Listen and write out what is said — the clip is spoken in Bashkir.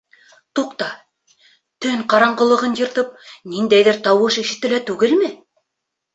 Туҡта, төн ҡараңғылығын йыртып, ниндәйҙер тауыш ишетелә түгелме?